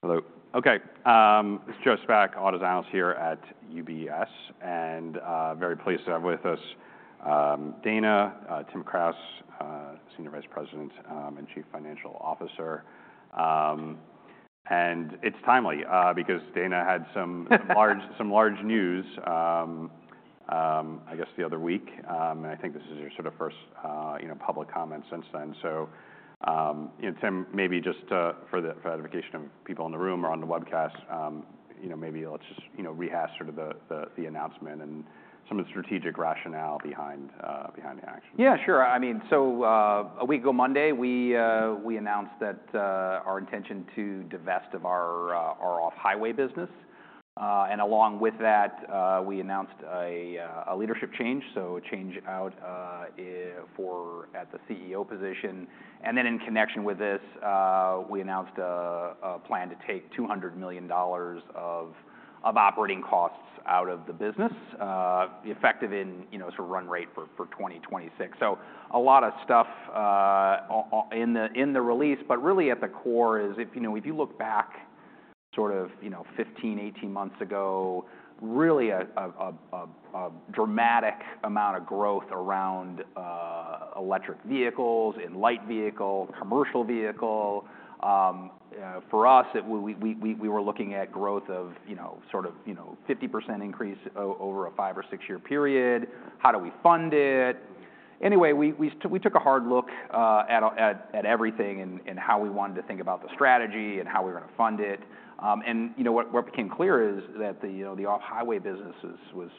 Hello. Okay. It's Joe Spak, auto analyst here at UBS, and very pleased to have with us Dana, Tim Kraus, Senior Vice President and Chief Financial Officer, and it's timely, because Dana had some large news, I guess the other week, and I think this is your sort of first, you know, public comment since then, so you know, Tim, maybe just for the education of people in the room or on the webcast, you know, maybe let's just, you know, rehash sort of the announcement and some of the strategic rationale behind the actions. Yeah, sure. I mean, so a week ago Monday, we announced that our intention to divest of our off-highway business. And along with that, we announced a leadership change, so a change out in the CEO position. Then in connection with this, we announced a plan to take $200 million of operating costs out of the business, effective in you know sort of run rate for 2026. So a lot of stuff in the release, but really at the core is if you know if you look back sort of you know 15, 18 months ago, really a dramatic amount of growth around electric vehicles and light vehicle, commercial vehicle. For us, we were looking at growth of, you know, sort of, you know, 50% increase over a five or six-year period. How do we fund it? Anyway, we took a hard look at everything and how we wanted to think about the strategy and how we were gonna fund it. You know, what became clear is that, you know, the off-highway business was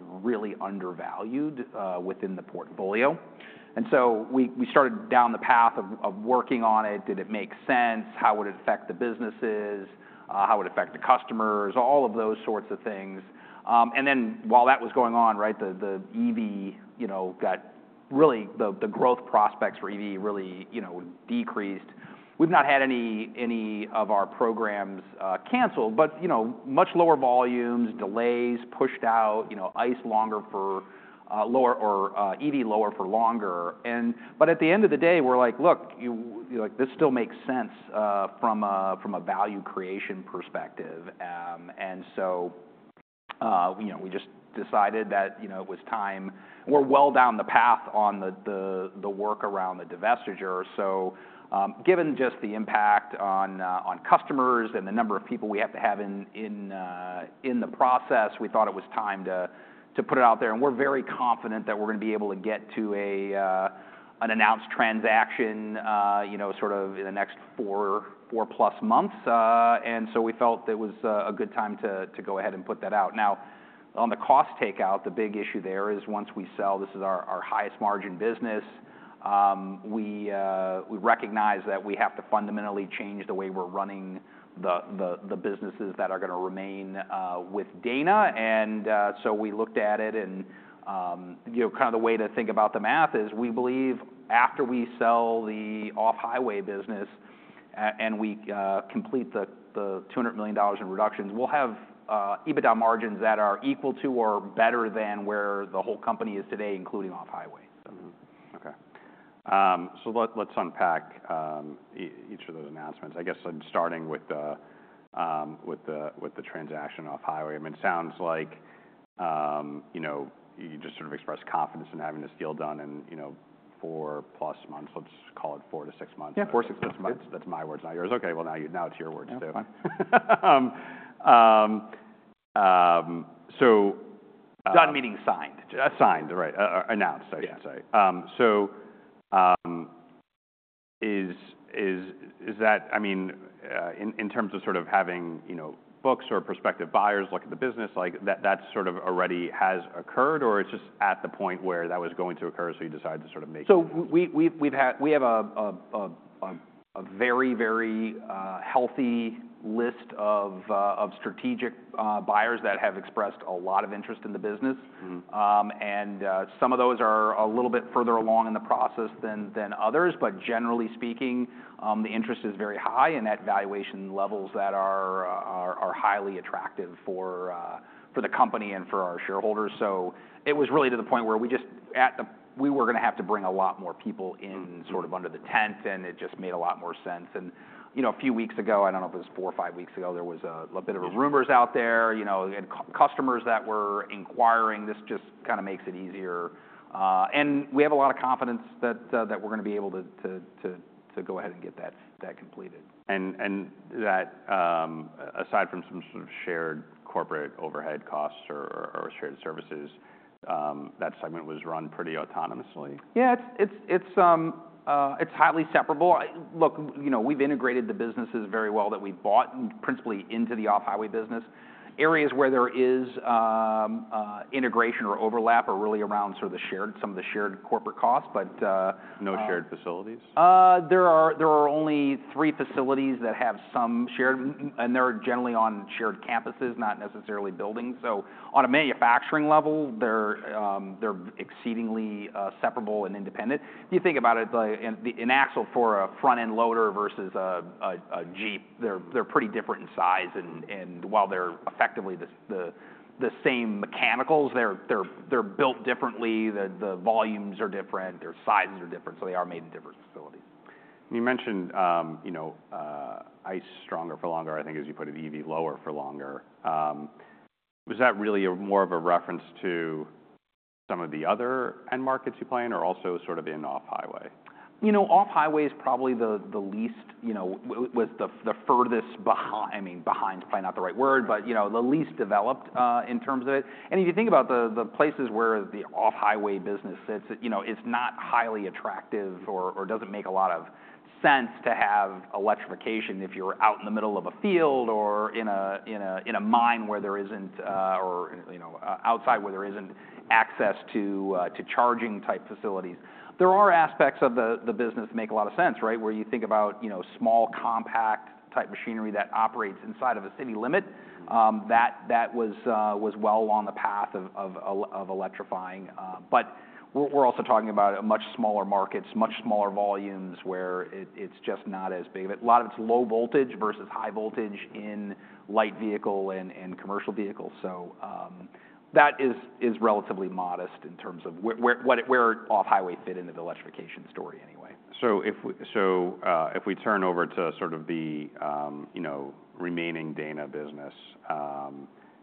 really undervalued within the portfolio. So we started down the path of working on it. Did it make sense? How would it affect the businesses? How would it affect the customers? All of those sorts of things. Then while that was going on, right, the EV, you know, got really, the growth prospects for EV really, you know, decreased. We've not had any of our programs canceled, but you know, much lower volumes, delays, pushed out, you know, ICE longer for lower or EV lower for longer. But at the end of the day, we're like, "Look, you know, like, this still makes sense from a value creation perspective," and so you know, we just decided that you know, it was time. We're well down the path on the work around the divestiture. So given just the impact on customers and the number of people we have to have in the process, we thought it was time to put it out there. And we're very confident that we're gonna be able to get to an announced transaction you know, sort of in the next 4+ months. And so we felt it was a good time to go ahead and put that out. Now, on the cost takeout, the big issue there is once we sell, this is our highest margin business. We recognize that we have to fundamentally change the way we're running the businesses that are gonna remain with Dana. So we looked at it and you know, kind of the way to think about the math is we believe after we sell the off-highway business, and we complete the $200 million in reductions, we'll have EBITDA margins that are equal to or better than where the whole company is today, including off-highway. Mm-hmm. Okay. So let's unpack each of those announcements. I guess I'm starting with the transaction off-highway. I mean, it sounds like, you know, you just sort of expressed confidence in having this deal done in, you know, 4+ months. Let's call it four to six months. Yeah. Four, six months. That's. That's my words, not yours. Okay. Well, now you, now it's your words, so. Yeah. That's fine. Done meaning signed. Signed, right? Announced, I should say. Yeah. Is that, I mean, in terms of sort of having, you know, books or prospective buyers look at the business, like, that sort of already has occurred, or it's just at the point where that was going to occur, so you decided to sort of make it? So we have a very healthy list of strategic buyers that have expressed a lot of interest in the business. Mm-hmm. And some of those are a little bit further along in the process than others. But generally speaking, the interest is very high, and at valuation levels that are highly attractive for the company and for our shareholders. So it was really to the point where we just, we were gonna have to bring a lot more people in. Mm-hmm. Sort of under the tent, and it just made a lot more sense. You know, a few weeks ago, I don't know if it was four or five weeks ago, there was a bit of a rumor out there, you know, and customers that were inquiring. This just kinda makes it easier. We have a lot of confidence that we're gonna be able to go ahead and get that completed. That, aside from some sort of shared corporate overhead costs or shared services, that segment was run pretty autonomously? Yeah. It's highly separable. You know, we've integrated the businesses very well that we've bought principally into the off-highway business. Areas where there is integration or overlap are really around sort of the shared corporate costs, but, No shared facilities? There are only three facilities that have some shared O&M and they're generally on shared campuses, not necessarily buildings. So on a manufacturing level, they're exceedingly separable and independent. You think about it, like, in an axle for a front-end loader versus a Jeep, they're pretty different in size. And while they're effectively the same mechanicals, they're built differently. The volumes are different. Their sizes are different. So they are made in different facilities. You mentioned, you know, ICE stronger for longer, I think, as you put it, EV lower for longer. Was that really a more of a reference to some of the other end markets you play in or also sort of in off-highway? You know, off-highway is probably the least, you know, was the furthest behind, I mean, behind is probably not the right word, but, you know, the least developed, in terms of it. And if you think about the places where the off-highway business sits, it, you know, it's not highly attractive or doesn't make a lot of sense to have electrification if you're out in the middle of a field or in a mine where there isn't, or, you know, outside where there isn't access to charging-type facilities. There are aspects of the business that make a lot of sense, right, where you think about, you know, small compact-type machinery that operates inside of a city limit. That was well on the path of a lot of electrifying. but we're also talking about a much smaller markets, much smaller volumes where it's just not as big. A lot of it's low voltage versus high voltage in light vehicle and commercial vehicles. So, that is relatively modest in terms of where off-highway fit into the electrification story anyway. So if we turn over to sort of the, you know, remaining Dana business,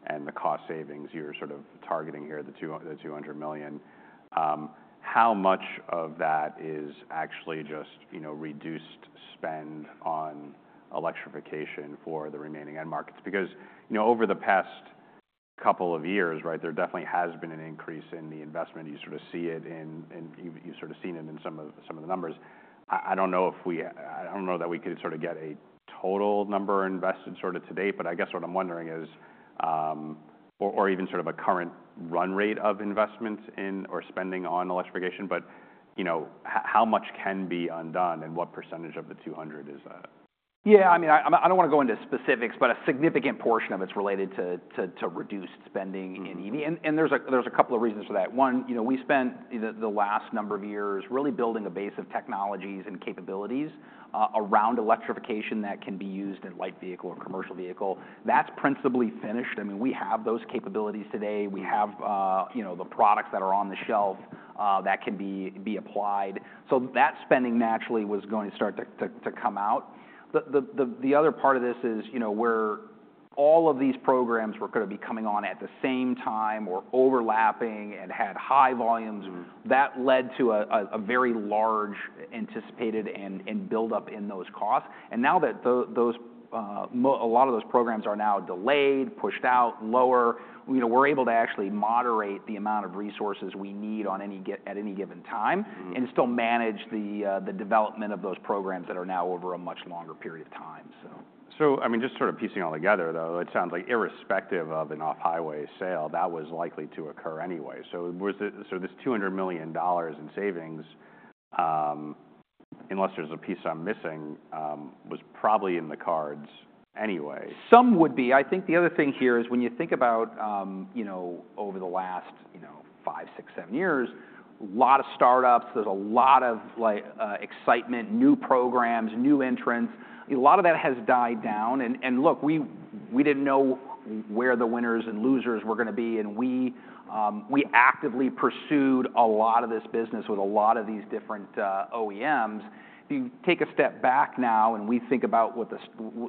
and the cost savings you're sort of targeting here, the $200 million, how much of that is actually just, you know, reduced spend on electrification for the remaining end markets? Because, you know, over the past couple of years, right, there definitely has been an increase in the investment. You sort of see it in. You've sort of seen it in some of the numbers. I don't know if we, I don't know that we could sort of get a total number invested sort of to date, but I guess what I'm wondering is, or even sort of a current run rate of investment in or spending on electrification. But, you know, how much can be undone and what percentage of the $200 million is, Yeah. I mean, I'm, I don't wanna go into specifics, but a significant portion of it's related to reduced spending in EV. Mm-hmm. There's a couple of reasons for that. One, you know, we spent the last number of years really building a base of technologies and capabilities around electrification that can be used in light vehicle or commercial vehicle. That's principally finished. I mean, we have those capabilities today. We have, you know, the products that are on the shelf that can be applied. So that spending naturally was going to start to come out. The other part of this is, you know, where all of these programs were gonna be coming on at the same time or overlapping and had high volumes. Mm-hmm. That led to a very large anticipated and buildup in those costs. And now that those, a lot of those programs are now delayed, pushed out, lower, you know, we're able to actually moderate the amount of resources we need at any given time. Mm-hmm. Still manage the development of those programs that are now over a much longer period of time, so. So, I mean, just sort of piecing all together, though, it sounds like irrespective of an off-highway sale, that was likely to occur anyway. So was it sort of this $200 million in savings, unless there's a piece I'm missing, was probably in the cards anyway. Some would be. I think the other thing here is when you think about, you know, over the last, you know, five, six, seven years, a lot of startups, there's a lot of, like, excitement, new programs, new entrants. A lot of that has died down. And look, we didn't know where the winners and losers were gonna be. And we actively pursued a lot of this business with a lot of these different OEMs. If you take a step back now and we think about what's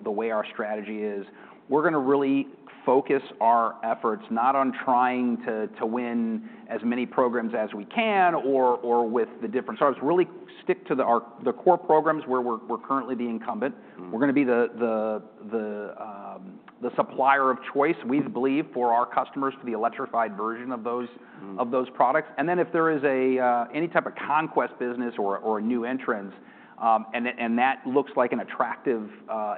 the way our strategy is, we're gonna really focus our efforts not on trying to win as many programs as we can or with the different startups, really stick to our core programs where we're currently the incumbent. Mm-hmm. We're gonna be the supplier of choice, we believe, for our customers for the electrified version of those. Mm-hmm. Of those products. And then if there is any type of conquest business or a new entrants, and that looks like an attractive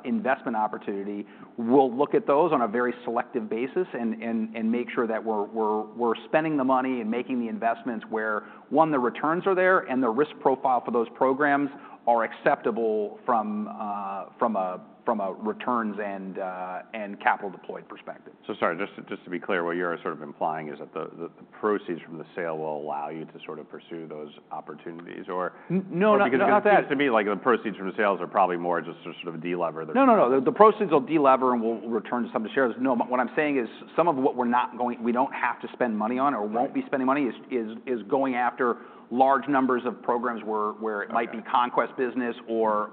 investment opportunity, we'll look at those on a very selective basis and make sure that we're spending the money and making the investments where, one, the returns are there and the risk profile for those programs are acceptable from a returns and capital deployed perspective. Sorry, just to be clear, what you're sort of implying is that the proceeds from the sale will allow you to sort of pursue those opportunities or? No, not quite. Because it seems to me like the proceeds from the sales are probably more just a sort of a de-lever. No, no, no. The proceeds will de-lever and we'll return to some of the shares. No, what I'm saying is some of what we're not going to, we don't have to spend money on or won't be spending money on is going after large numbers of programs where it might be conquest business or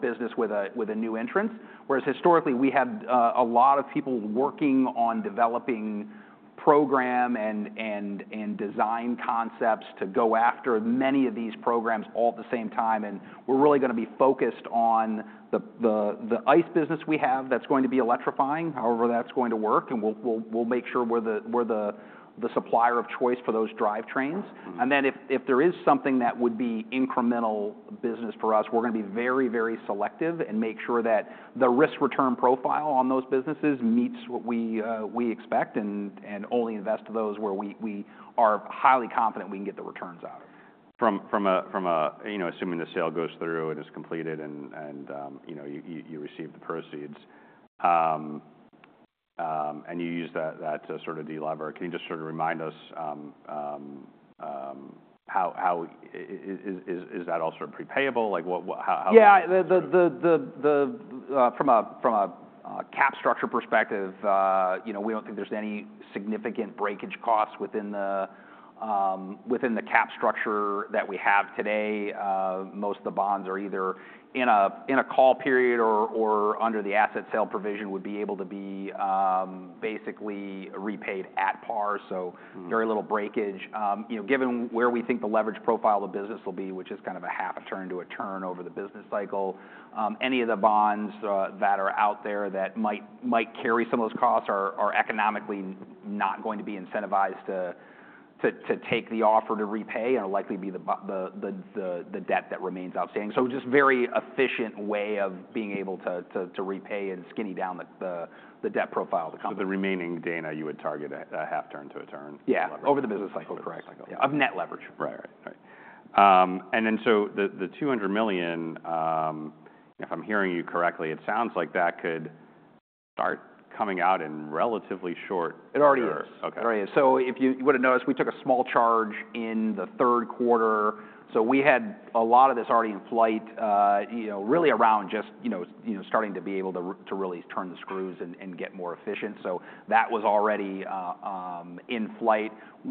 business with a new entrants. Whereas historically, we had a lot of people working on developing program and design concepts to go after many of these programs all at the same time. And we're really gonna be focused on the ICE business we have that's going to be electrifying, however that's going to work. And we'll make sure we're the supplier of choice for those drive trains. Mm-hmm. And then if there is something that would be incremental business for us, we're gonna be very, very selective and make sure that the risk-return profile on those businesses meets what we expect and only invest in those where we are highly confident we can get the returns out of. From a, you know, assuming the sale goes through and is completed and you receive the proceeds, and you use that to de-lever, can you just sort of remind us, how is that all sort of prepayable? Like what, how? Yeah. From a capital structure perspective, you know, we don't think there's any significant breakage costs within the capital structure that we have today. Most of the bonds are either in a call period or under the asset sale provision would be able to be basically repaid at par. So. Mm-hmm. Very little breakage. You know, given where we think the leverage profile of the business will be, which is kind of a half a turn to a turn over the business cycle, any of the bonds that are out there that might carry some of those costs are economically not going to be incentivized to take the offer to repay and will likely be the debt that remains outstanding. So just very efficient way of being able to repay and skinny down the debt profile to come. So the remaining Dana you would target a half turn to a turn? Yeah. Leverage. Over the business cycle, correct. Business cycle. Yeah. Of net leverage. Right, right, right. And then so the $200 million, if I'm hearing you correctly, it sounds like that could start coming out in relatively short years. It already is. Okay. It already is. So if you would've noticed, we took a small charge in the third quarter. So we had a lot of this already in flight, you know, really around just, you know, starting to be able to really turn the screws and get more efficient. So that was already in flight.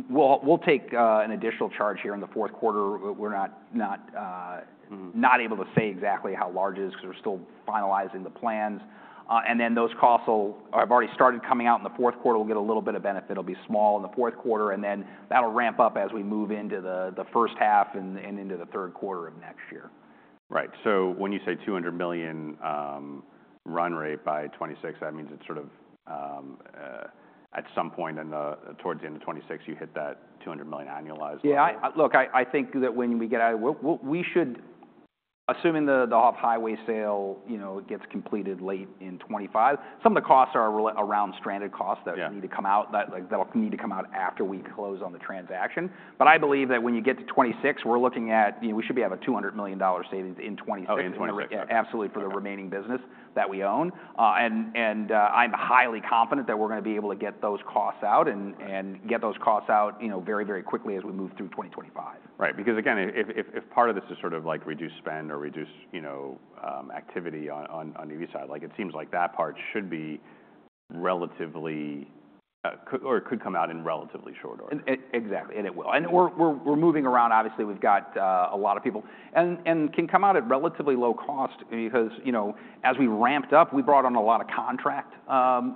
We'll take an additional charge here in the fourth quarter. We're not, Mm-hmm. Not able to say exactly how large it is 'cause we're still finalizing the plans. And then those costs will have already started coming out in the fourth quarter. We'll get a little bit of benefit. It'll be small in the fourth quarter. And then that'll ramp up as we move into the first half and into the third quarter of next year. Right. So when you say $200 million run rate by 2026, that means it's sort of at some point in the towards the end of 2026, you hit that $200 million annualized run rate. Yeah. I think that when we get out of, we should, assuming the Off-Highway sale, you know, gets completed late in 2025, some of the costs are around stranded costs that. Yeah. Need to come out, that, like, that'll need to come out after we close on the transaction. But I believe that when you get to 2026, we're looking at, you know, we should be able to have a $200 million savings in 2026. Oh, in 2026. Yeah. Absolutely. For the remaining business that we own. And I'm highly confident that we're gonna be able to get those costs out, you know, very, very quickly as we move through 2025. Right. Because again, if part of this is sort of like reduced spend or reduced, you know, activity on the EV side, like it seems like that part should be relatively, could come out in relatively short order. Exactly. And it will. And we're moving around. Obviously, we've got a lot of people and can come out at relatively low cost because, you know, as we ramped up, we brought on a lot of contract,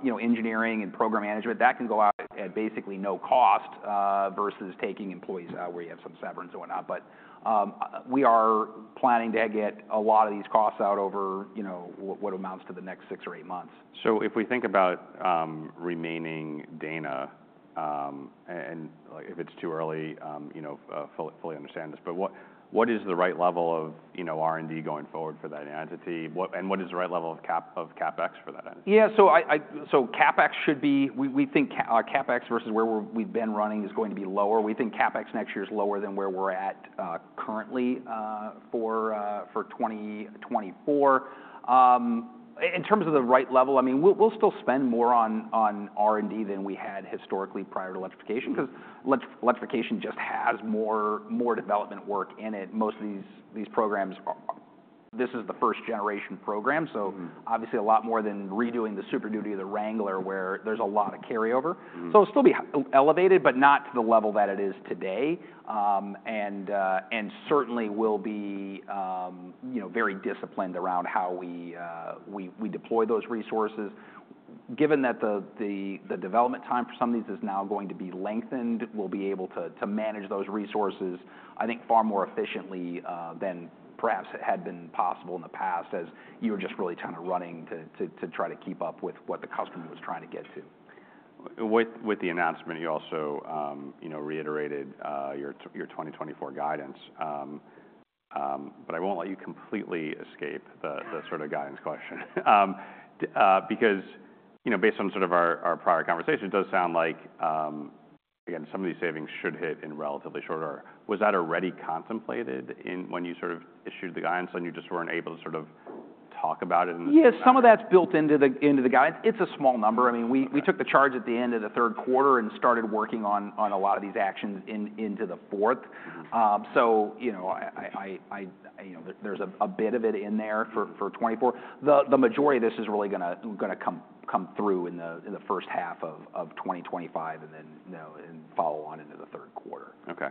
you know, engineering and program management that can go out at basically no cost, versus taking employees out where you have some severance and whatnot. But, we are planning to get a lot of these costs out over, you know, what amounts to the next six or eight months. So if we think about remaining Dana, and like if it's too early, you know, fully understand this, but what is the right level of, you know, R&D going forward for that entity? What and what is the right level of CapEx for that entity? Yeah. So, CapEx should be. We think CapEx versus where we've been running is going to be lower. We think CapEx next year is lower than where we're at currently for 2024. In terms of the right level, I mean, we'll still spend more on R&D than we had historically prior to electrification 'cause electrification just has more development work in it. Most of these programs are. This is the first generation program. Mm-hmm. Obviously a lot more than redoing the Super Duty and the Wrangler where there's a lot of carryover. Mm-hmm. It'll still be elevated, but not to the level that it is today. Certainly we'll be, you know, very disciplined around how we deploy those resources. Given that the development time for some of these is now going to be lengthened, we'll be able to manage those resources, I think, far more efficiently than perhaps it had been possible in the past as you were just really kinda running to try to keep up with what the customer was trying to get to. With the announcement, you also, you know, reiterated your 2024 guidance, but I won't let you completely escape the sort of guidance question because, you know, based on sort of our prior conversation, it does sound like, again, some of these savings should hit in relatively short order. Was that already contemplated in when you sort of issued the guidance and you just weren't able to sort of talk about it in the? Yeah. Some of that's built into the guidance. It's a small number. I mean, we took the charge at the end of the third quarter and started working on a lot of these actions into the fourth. Mm-hmm. So, you know, you know, there's a bit of it in there for 2024. The majority of this is really gonna come through in the first half of 2025 and then, you know, and follow on into the third quarter. Okay.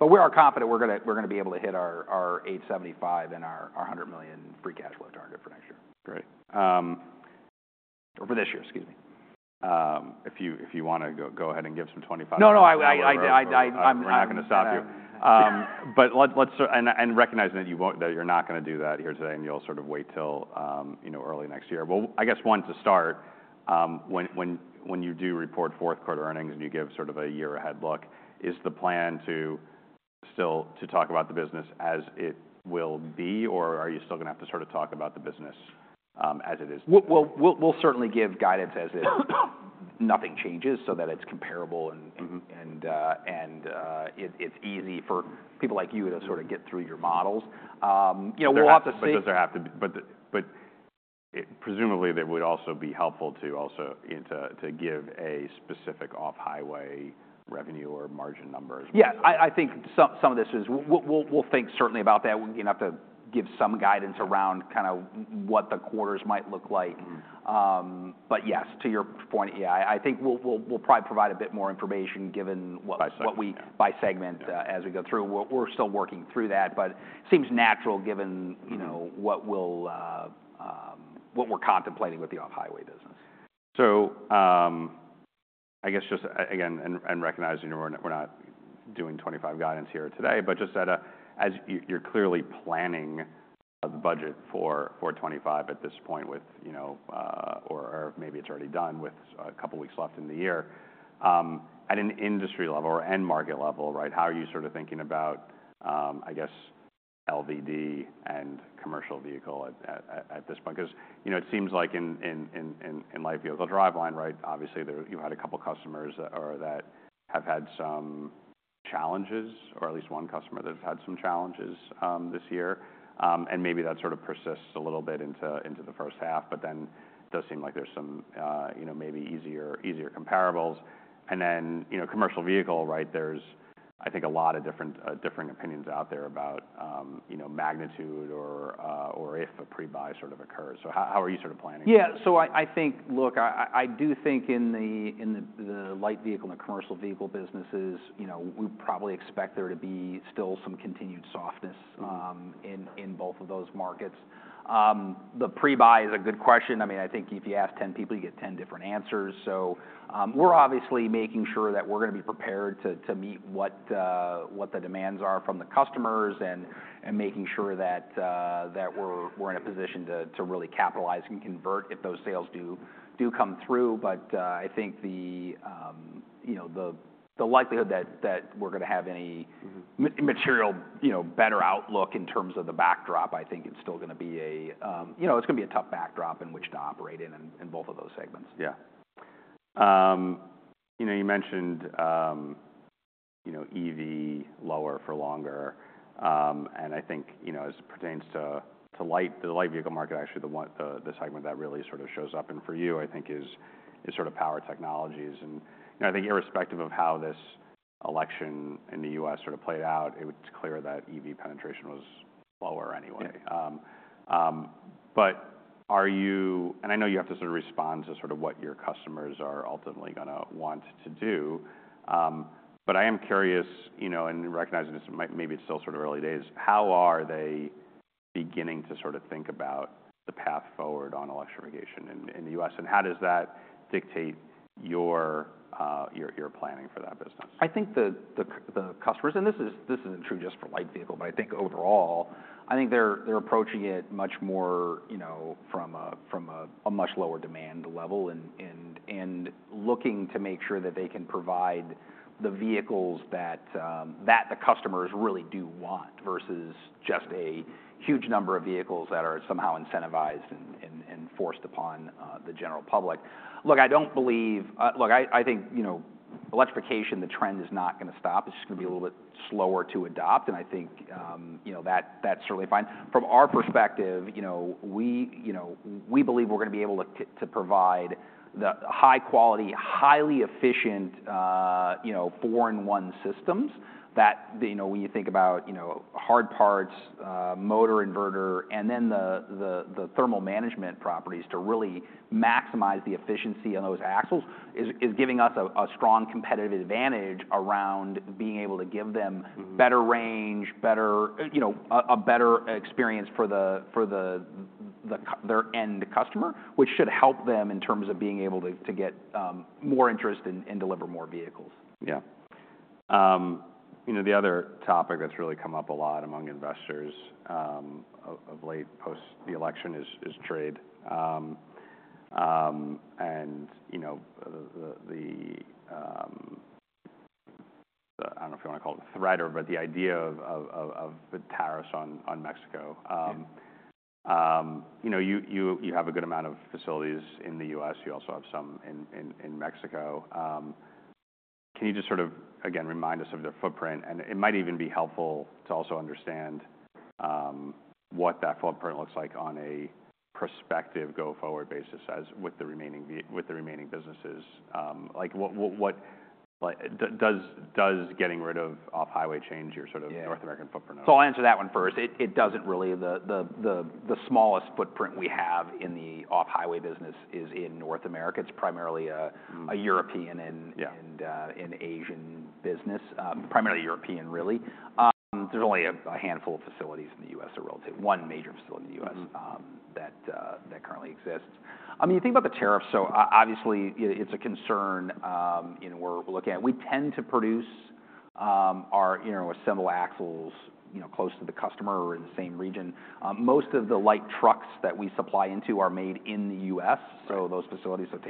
We are confident we're gonna be able to hit our $875 million and our $100 million free cash flow target for next year. Great. Or for this year, excuse me. If you wanna go, go ahead and give some 2025. No, no. I'm. I'm not gonna stop you, but let's sort of, and recognizing that you won't, that you're not gonna do that here today and you'll sort of wait till, you know, early next year. I guess one to start, when you do report fourth quarter earnings and you give sort of a year ahead look, is the plan still to talk about the business as it will be or are you still gonna have to sort of talk about the business as it is? We'll certainly give guidance as if nothing changes so that it's comparable and it's easy for people like you to sort of get through your models, you know. We'll have to see. But does there have to be? It presumably there would also be helpful to also, you know, to give a specific off-highway revenue or margin number as well. Yeah. I think some of this is. We'll think certainly about that. We're gonna have to give some guidance around kinda what the quarters might look like. Mm-hmm. but yes, to your point, yeah, I think we'll probably provide a bit more information given what. By segment. What we buy by segment, as we go through. We're still working through that, but it seems natural given, you know, what we're contemplating with the off-highway business. So, I guess just again, and recognizing we're not doing 2025 guidance here today, but just as you're clearly planning, the budget for 2025 at this point with, you know, or maybe it's already done with a couple weeks left in the year, at an industry level or end market level, right? How are you sort of thinking about, I guess, LVD and commercial vehicle at this point? 'Cause, you know, it seems like in light of the driveline, right, obviously there you've had a couple customers that have had some challenges or at least one customer that has had some challenges, this year. And maybe that sort of persists a little bit into the first half, but then it does seem like there's some, you know, maybe easier comparables. You know, commercial vehicle, right? There's, I think, a lot of different, differing opinions out there about, you know, magnitude or if a prebuy sort of occurs. How are you sort of planning? Yeah. So I think, look, I do think in the light vehicle and the commercial vehicle businesses, you know, we probably expect there to be still some continued softness. Mm-hmm. In both of those markets. The prebuy is a good question. I mean, I think if you ask 10 people, you get 10 different answers. So, we're obviously making sure that we're gonna be prepared to meet what the demands are from the customers and making sure that we're in a position to really capitalize and convert if those sales do come through. But, I think you know, the likelihood that we're gonna have any. Mm-hmm. Materially, you know, better outlook in terms of the backdrop. I think it's still gonna be a, you know, it's gonna be a tough backdrop in which to operate in both of those segments. Yeah, you know, you mentioned, you know, EV lower for longer. And I think, you know, as it pertains to the Light Vehicle market, actually the one segment that really sort of shows up and for you, I think, is sort of Power Technologies. And, you know, I think irrespective of how this election in the U.S. sort of played out, it was clear that EV penetration was lower anyway. Yeah. But are you, and I know you have to sort of respond to sort of what your customers are ultimately gonna want to do. But I am curious, you know, and recognizing this might, maybe it's still sort of early days, how are they beginning to sort of think about the path forward on electrification in the U.S.? And how does that dictate your planning for that business? I think the customers, and this isn't true just for light vehicle, but I think overall, I think they're approaching it much more, you know, from a much lower demand level and looking to make sure that they can provide the vehicles that the customers really do want versus just a huge number of vehicles that are somehow incentivized and forced upon the general public. Look, I don't believe. Look, I think, you know, electrification, the trend is not gonna stop. It's just gonna be a little bit slower to adopt, and I think, you know, that that's certainly fine. From our perspective, you know, we, you know, we believe we're gonna be able to provide the high quality, highly efficient, you know, four-in-one systems that, you know, when you think about, you know, hard parts, motor inverter, and then the thermal management properties to really maximize the efficiency on those axles is giving us a strong competitive advantage around being able to give them. Mm-hmm. Better range, better, you know, a better experience for their end customer, which should help them in terms of being able to get more interest and deliver more vehicles. Yeah. You know, the other topic that's really come up a lot among investors of late post the election is trade, and you know, I don't know if you wanna call it the threat or but the idea of the tariffs on Mexico. Yeah. You know, you have a good amount of facilities in the U.S. You also have some in Mexico. Can you just sort of, again, remind us of their footprint? And it might even be helpful to also understand what that footprint looks like on a prospective go-forward basis as with the remaining businesses. Like what, like, does getting rid of off-highway change your sort of. Yeah. North American footprint? So I'll answer that one first. It doesn't really. The smallest footprint we have in the off-highway business is in North America. It's primarily a. Mm-hmm. A European and. Yeah. Asian business, primarily European really. There's only a handful of facilities in the U.S. that are related. One major facility in the U.S. Mm-hmm. That currently exists. I mean, you think about the tariffs. So obviously, you know, it's a concern, you know, we're looking at. We tend to produce our, you know, assemble axles, you know, close to the customer or in the same region. Most of the light trucks that we supply into are made in the U.S. Mm-hmm. Those facilities that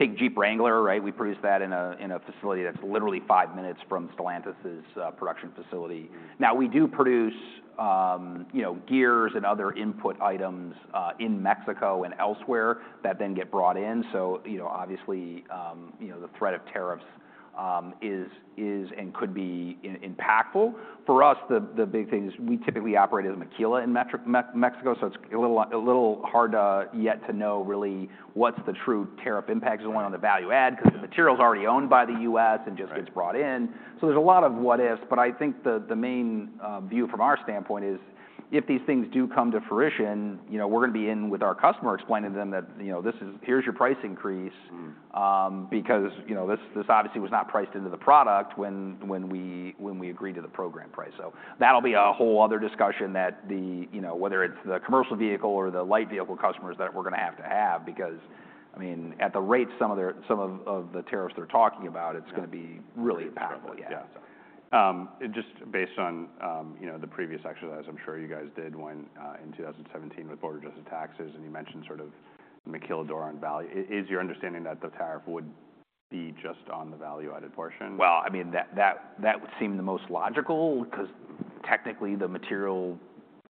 take Jeep Wrangler, right? We produce that in a facility that's literally five minutes from Stellantis's production facility. Mm-hmm. Now, we do produce, you know, gears and other input items, in Mexico and elsewhere that then get brought in. So, you know, obviously, you know, the threat of tariffs is and could be impactful. For us, the big thing is we typically operate as a maquila in Mexico. So it's a little hard to yet know really what's the true tariff impact is going on the value add 'cause the material's already owned by the U.S. and just. Mm-hmm. Gets brought in. So there's a lot of what-ifs. But I think the main view from our standpoint is if these things do come to fruition, you know, we're gonna be in with our customer explaining to them that, you know, this is here's your price increase. Mm-hmm. because, you know, this obviously was not priced into the product when we agreed to the program price. So that'll be a whole other discussion that, you know, whether it's the commercial vehicle or the light vehicle customers that we're gonna have to have because, I mean, at the rates, some of the tariffs they're talking about, it's gonna be really impactful. Yeah. Yeah. Just based on, you know, the previous exercise I'm sure you guys did when, in 2017 with border adjustment taxes, and you mentioned sort of maquiladora value. Is your understanding that the tariff would be just on the value-added portion? I mean, that would seem the most logical 'cause technically the material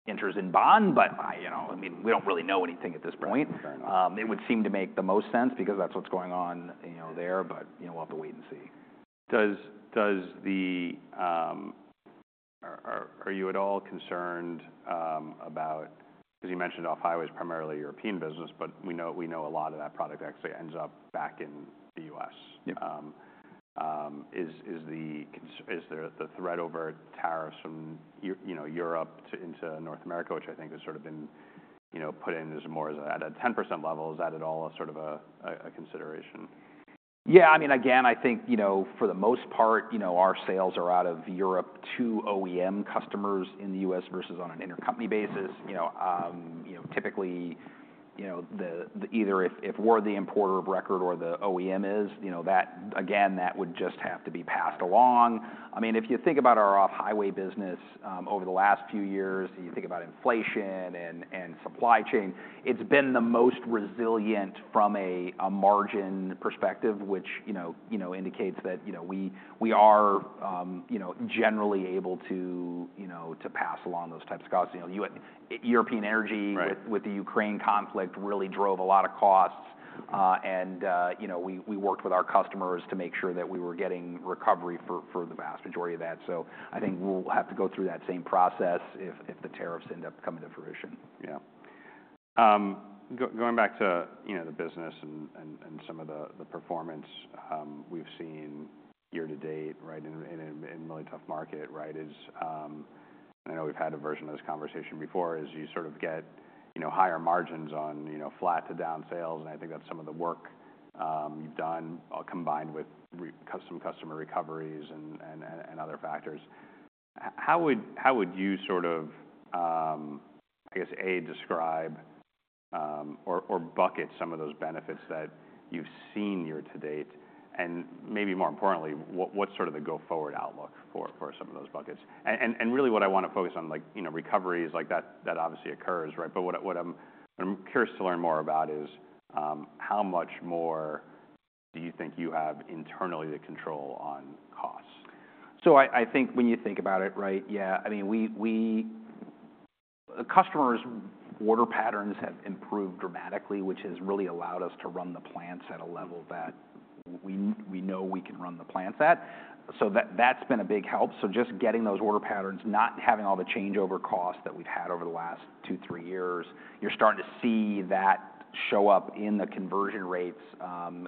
enters in bond, but, you know, I mean, we don't really know anything at this point. Fair enough. It would seem to make the most sense because that's what's going on, you know, there. But, you know, we'll have to wait and see. Are you at all concerned about 'cause you mentioned off-highway's primarily European business, but we know a lot of that product actually ends up back in the U.S.? Yeah. Is the concern the threat over tariffs from Europe, you know, into North America, which I think has sort of been, you know, put in as more as a at a 10% level? Is that at all a sort of a consideration? Yeah. I mean, again, I think, you know, for the most part, you know, our sales are out of Europe to OEM customers in the U.S. versus on an intercompany basis. You know, you know, typically, you know, the either if we're the importer of record or the OEM is, you know, that, again, that would just have to be passed along. I mean, if you think about our off-highway business, over the last few years, you think about inflation and supply chain, it's been the most resilient from a margin perspective, which, you know, you know, indicates that, you know, we are, you know, generally able to, you know, to pass along those types of costs. You know, European energy. Right. With the Ukraine conflict really drove a lot of costs. Mm-hmm. And, you know, we worked with our customers to make sure that we were getting recovery for the vast majority of that. So I think we'll have to go through that same process if the tariffs end up coming to fruition. Yeah. Going back to, you know, the business and some of the performance we've seen year to date, right, in a really tough market, right, and I know we've had a version of this conversation before, is you sort of get, you know, higher margins on, you know, flat to down sales. And I think that's some of the work you've done, combined with recent customer recoveries and other factors. How would you sort of, I guess, a, describe or bucket some of those benefits that you've seen year to date? And maybe more importantly, what's sort of the go-forward outlook for some of those buckets? And really what I wanna focus on, like, you know, recovery is like that that obviously occurs, right? What I'm curious to learn more about is, how much more do you think you have internally to control on costs? So I think when you think about it, right, yeah, I mean, our customers' order patterns have improved dramatically, which has really allowed us to run the plants at a level that we know we can run the plants at. That's been a big help. So just getting those order patterns, not having all the changeover costs that we've had over the last two, three years, you're starting to see that show up in the conversion rates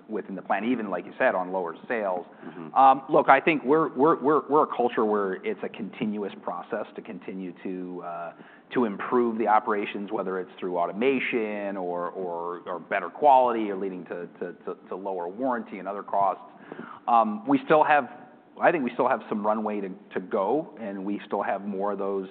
within the plant, even like you said, on lower sales. Mm-hmm. Look, I think we're a culture where it's a continuous process to continue to improve the operations, whether it's through automation or better quality or leading to lower warranty and other costs. We still have, I think we still have some runway to go, and we still have more of those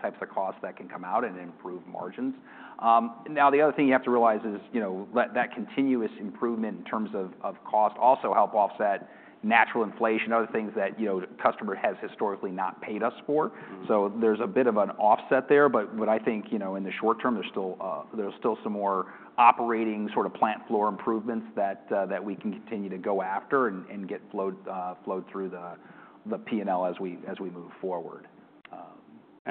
types of costs that can come out and improve margins. Now the other thing you have to realize is, you know, that continuous improvement in terms of cost also help offset natural inflation, other things that, you know, customer has historically not paid us for. Mm-hmm. There's a bit of an offset there. But what I think, you know, in the short term, there's still some more operating sort of plant floor improvements that we can continue to go after and get flowed through the P&L as we move forward.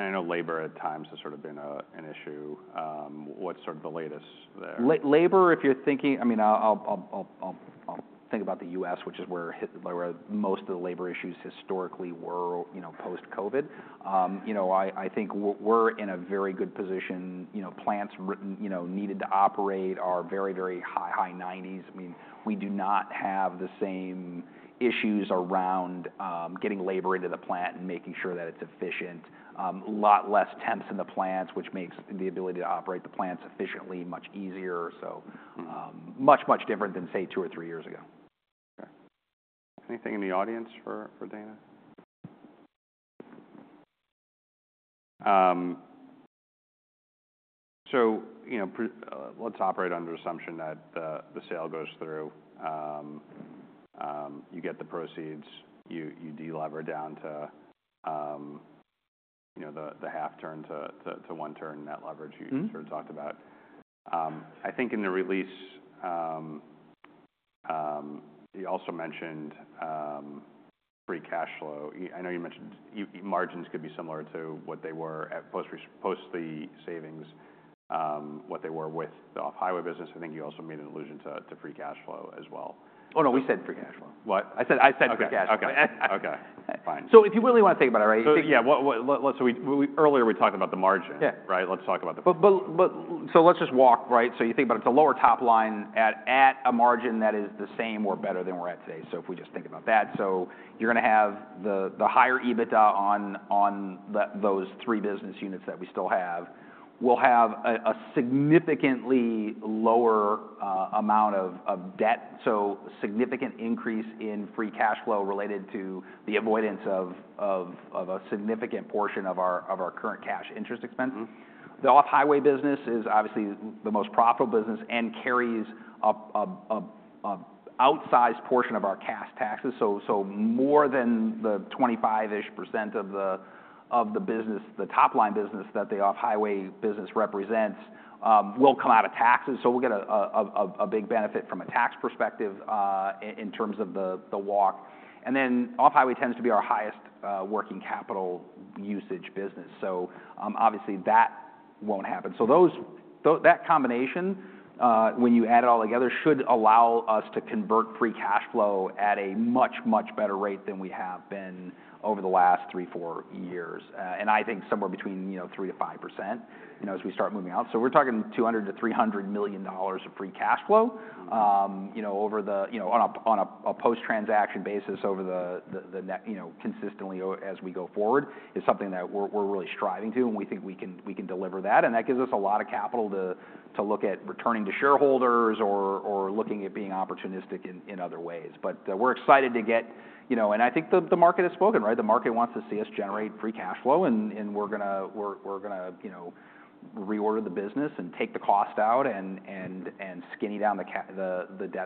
I know labor at times has sort of been an issue. What's sort of the latest there? Labor, if you're thinking, I mean, I'll think about the U.S., which is where most of the labor issues historically were, you know, post-COVID. You know, I think we're in a very good position. You know, plants needed to operate are very high 90s. I mean, we do not have the same issues around getting labor into the plant and making sure that it's efficient. A lot less temps in the plants, which makes the ability to operate the plants efficiently much easier. So. Mm-hmm. Much, much different than, say, two or three years ago. Okay. Anything in the audience for Dana? So, you know, let's operate under the assumption that the sale goes through. You get the proceeds, you delever down to, you know, the half turn to one turn net leverage you. Mm-hmm. Sort of talked about. I think in the release, you also mentioned free cash flow. I know you mentioned your margins could be similar to what they were at post-re post the savings, what they were with the off-highway business. I think you also made an allusion to free cash flow as well. Oh, no. We said free cash flow. What? I said free cash flow. Okay. Okay. Fine. So if you really wanna think about it, right. Yeah. What? We earlier talked about the margin. Yeah. Right? Let's talk about the margin. But so let's just walk, right? So you think about it's a lower top line at a margin that is the same or better than we're at today. So if we just think about that, so you're gonna have the higher EBITDA on those three business units that we still have. We'll have a significantly lower amount of debt. So a significant increase in free cash flow related to the avoidance of a significant portion of our current cash interest expense. Mm-hmm. The off-highway business is obviously the most profitable business and carries an outsized portion of our cash taxes. So more than the 25-ish percent of the business, the top line business that the off-highway business represents, will come out of taxes. So we'll get a big benefit from a tax perspective, in terms of the walk. And then off-highway tends to be our highest working capital usage business. So, obviously that won't happen. So those that combination, when you add it all together, should allow us to convert free cash flow at a much better rate than we have been over the last three, four years. And I think somewhere between, you know, 3%-5%, you know, as we start moving out. So we're talking $200 million-$300 million of free cash flow. Mm-hmm. You know, over the next, you know, on a post-transaction basis, consistently so as we go forward is something that we're really striving to, and we think we can deliver that, and that gives us a lot of capital to look at returning to shareholders or looking at being opportunistic in other ways, but we're excited to get, you know, and I think the market has spoken, right? The market wants to see us generate free cash flow, and we're gonna, you know, reorder the business and take the cost out and skinny down the capital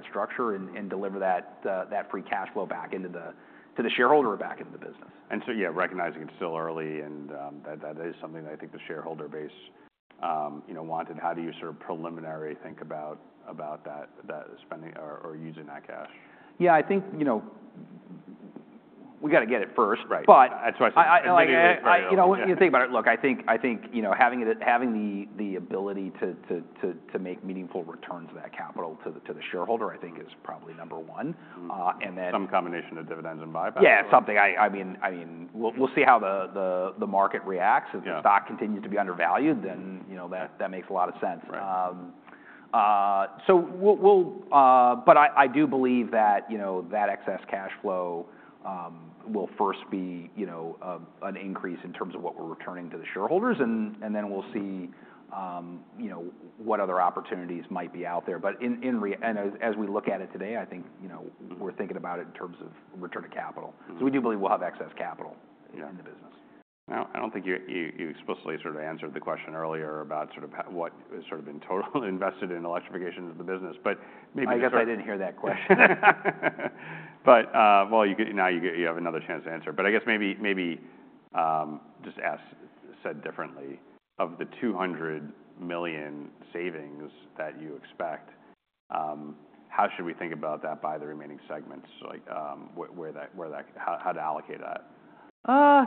structure and deliver that free cash flow back to the shareholder or back into the business. And so, yeah, recognizing it's still early and that is something that I think the shareholder base, you know, wanted. How do you sort of preliminary think about that spending or using that cash? Yeah. I think, you know, we gotta get it first. Right. But. That's why I said I. I mean, you know, when you think about it, look, I think, you know, having the ability to make meaningful returns to that capital, to the shareholder, I think is probably number one. Mm-hmm. and then. Some combination of dividends and buybacks. Yeah. Something I mean, we'll see how the market reacts. Yeah. If the stock continues to be undervalued, then, you know, that, that makes a lot of sense. Right. So we'll but I do believe that, you know, that excess cash flow will first be, you know, an increase in terms of what we're returning to the shareholders. And then we'll see, you know, what other opportunities might be out there. But in regard and as we look at it today, I think, you know, we're thinking about it in terms of return of capital. Mm-hmm. We do believe we'll have excess capital. Yeah. In the business. I don't think you explicitly sort of answered the question earlier about sort of how what has sort of been total invested in electrification of the business. But maybe you should. I guess I didn't hear that question. But, well, you know, you have another chance to answer. But I guess maybe just asked differently, of the $200 million savings that you expect, how should we think about that by the remaining segments, like, where that how to allocate that?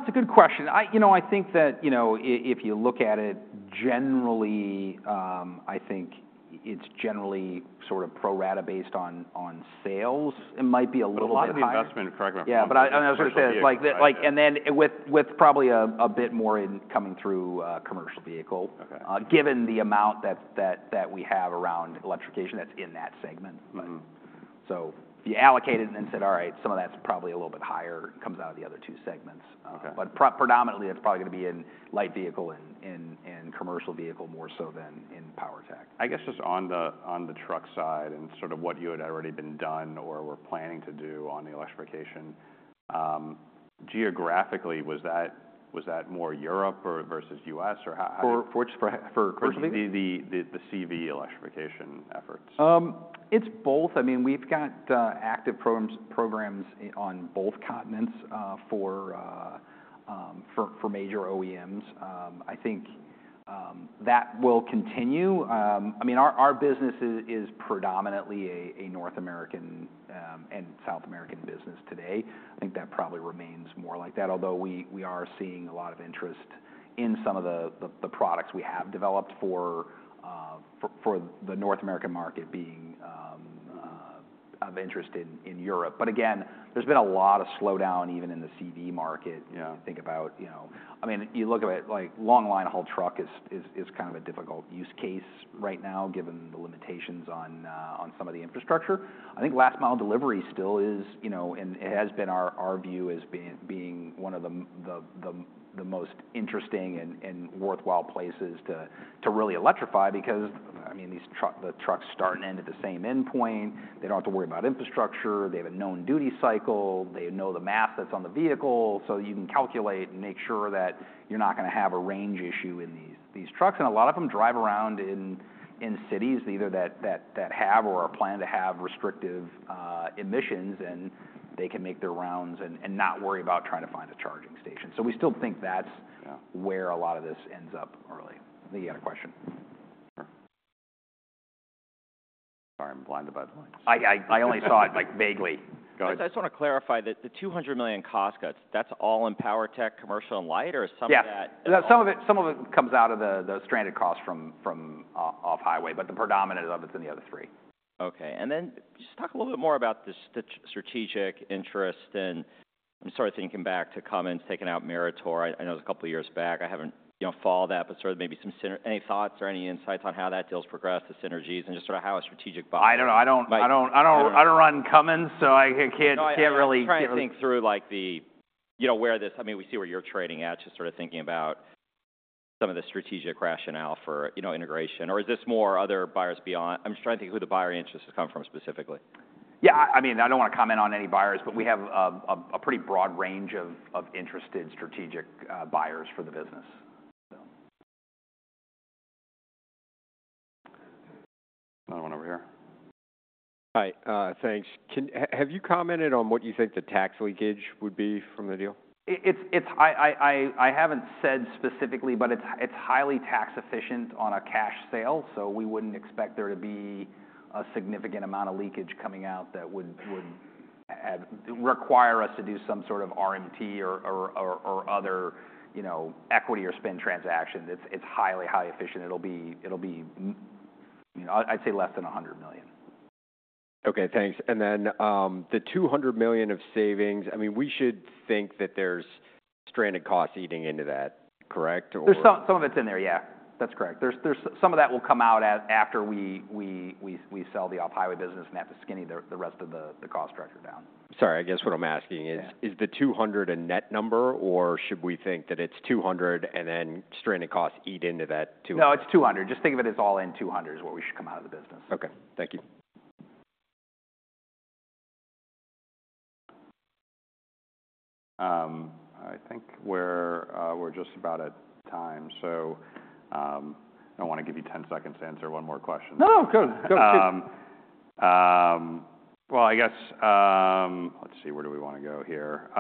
It's a good question. I, you know, I think that, you know, if you look at it generally, I think it's generally sort of pro-rata based on sales. It might be a little higher. A lot of the investment, correct? Yeah. But I was gonna say, like, and then with probably a bit more in coming through, commercial vehicle. Okay. given the amount that we have around electrification that's in that segment. Mm-hmm. But so if you allocate it and then said, "all right, some of that's probably a little bit higher" comes out of the other two segments. Okay. But predominantly, it's probably gonna be in light vehicle and commercial vehicle more so than in power tech. I guess just on the truck side and sort of what you had already been done or were planning to do on the electrification, geographically, was that more Europe or versus U.S. or how? For which. For the CV electrification efforts? It's both. I mean, we've got active programs on both continents for major OEMs. I think that will continue. I mean, our business is predominantly a North American and South American business today. I think that probably remains more like that, although we are seeing a lot of interest in some of the products we have developed for the North American market being of interest in Europe. But again, there's been a lot of slowdown even in the CV market. Yeah. If you think about, you know, I mean, you look at it like long line haul truck is kind of a difficult use case right now given the limitations on some of the infrastructure. I think last mile delivery still is, you know, and it has been our view has been being one of the most interesting and worthwhile places to really electrify because, I mean, these truck, the trucks start and end at the same end point. They don't have to worry about infrastructure. They have a known duty cycle. They know the math that's on the vehicle. So you can calculate and make sure that you're not gonna have a range issue in these trucks. And a lot of them drive around in cities either that have or are planning to have restrictive emissions, and they can make their rounds and not worry about trying to find a charging station. So we still think that's. Yeah. Where a lot of this ends up early. I think you had a question. Sure. Sorry. I'm blinded by the lines. I only saw it like vaguely. Go ahead. So I just wanna clarify that the $200 million cost cuts, that's all in power tech, commercial, and light, or is some of that? Yeah. Some of it, some of it comes out of the stranded cost from off-highway, but the predominant of it's in the other three. Okay. And then just talk a little bit more about the strategic interest in, I'm sorry, thinking back to Cummins taking out Meritor. I know it was a couple of years back. I haven't, you know, followed that, but sort of maybe some synergies, any thoughts or any insights on how that deal's progressed, the synergies, and just sort of how a strategic buy? I don't know. I don't run Cummins, so I can't really give. No. I'm trying to think through like the, you know, where this, I mean, we see where you're trading at, just sort of thinking about some of the strategic rationale for, you know, integration. Or is this more other buyers beyond? I'm just trying to think who the buyer interests come from specifically. Yeah. I mean, I don't wanna comment on any buyers, but we have a pretty broad range of interested strategic buyers for the business, so. Another one over here. Hi. Thanks. Have you commented on what you think the tax leakage would be from the deal? It's, I haven't said specifically, but it's highly tax efficient on a cash sale. So we wouldn't expect there to be a significant amount of leakage coming out that would have require us to do some sort of RMT or other, you know, equity or spin transaction. It's highly efficient. It'll be, you know, I'd say less than $100 million. Okay. Thanks. And then, the $200 million of savings, I mean, we should think that there's stranded costs eating into that, correct, or? There's some of it's in there. Yeah. That's correct. There's some of that will come out after we sell the off-highway business and have to skinny the rest of the cost structure down. Sorry. I guess what I'm asking is, is the 200 a net number, or should we think that it's 200 and then stranded costs eat into that 200? No. It's 200. Just think of it as all in 200 is what we should come out of the business. Okay. Thank you. I think we're just about at time. So, I don't wanna give you 10 seconds to answer one more question. No. Go ahead. Well, I guess, let's see. Where do we wanna go here?